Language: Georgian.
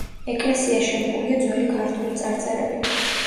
ეკლესია შემკულია ძველი ქართული წარწერებით.